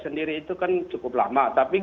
sendiri itu kan cukup lama tapi